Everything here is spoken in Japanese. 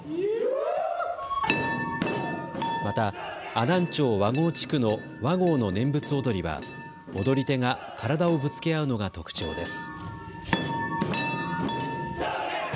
また阿南町和合地区の和合の念仏踊は踊り手が体をぶつけ合うのが特徴です。